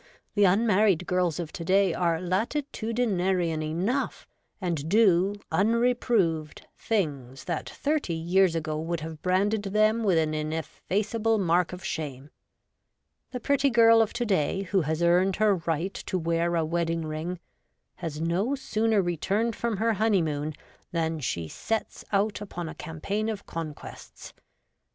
the un married girls of to day are latitudinarian enough, and do, unreproved, things that thirty years ago would have branded them with an ineffaceable mark of shame. The pretty girl of to day, who has earned her right to wear a wedding ring, has no sooner returned from her honeymoon than she sets out upon a campaign of conquests.